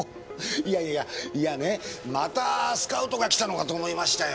いやいやいやいやねまたスカウトが来たのかと思いましたよ。